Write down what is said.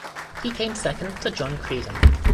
He came second to John Creedon.